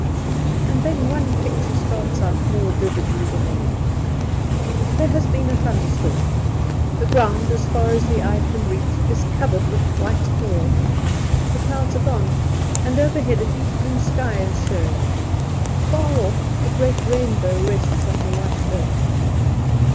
And then one picture starts out more vividly than any. There has been a thunderstorm; the ground, as far as the eye can reach, is covered with white hail; the clouds are gone, and overhead a deep blue sky is showing; far off a great rainbow rests on the white earth.